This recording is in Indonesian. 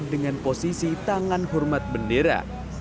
dengan posisi tangan hormat bendera